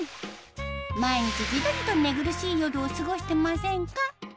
毎日ジトジト寝苦しい夜を過ごしてませんか？